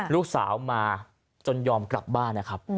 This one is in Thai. ลูกสาวมาจนยอมกลับบ้านนะครับ